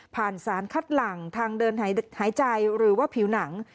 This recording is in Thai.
สารคัดหลังทางเดินหายใจหรือว่าผิวหนัง